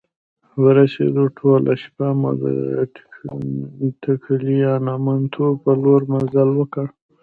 ورسیدو، ټوله شپه مو د ټګلیامنتو په لور مزل وکړ.